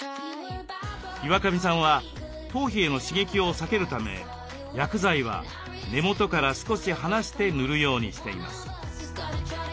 岩上さんは頭皮への刺激を避けるため薬剤は根元から少し離して塗るようにしています。